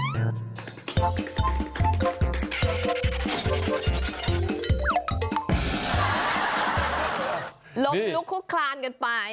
ลงลุกฮุกข์คลานกันไป